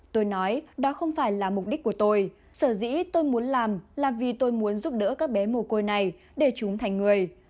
tôi nói đó không phải là mục đích của tôi sở dĩ tôi muốn làm là vì tôi muốn giúp đỡ các bé mồ côi này để chúng thành người